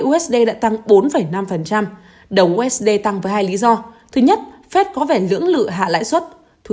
usd đã tăng bốn năm đồng usd tăng với hai lý do thứ nhất fed có vẻ lưỡng lự hạ lãi suất thu